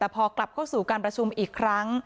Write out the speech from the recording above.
แต่พอกลับเข้าสู่การประชุมอีกครั้ง